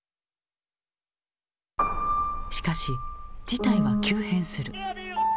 しかし事態は急変する。